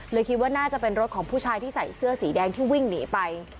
คิดว่าน่าจะเป็นรถของผู้ชายที่ใส่เสื้อสีแดงที่วิ่งหนีไป